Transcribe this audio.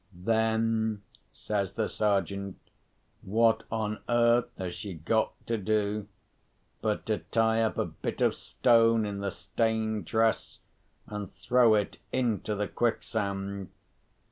"Then," says the Sergeant, "what on earth has she got to do but to tie up a bit of stone in the stained dress and throw it into the quicksand?